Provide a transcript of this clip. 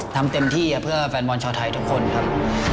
ทำเต็มที่เพื่อแฟนบอลชาวไทยทุกคนครับ